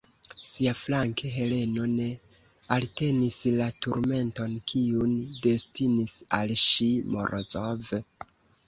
Siaflanke Heleno ne eltenis la turmenton, kiun destinis al ŝi Morozov.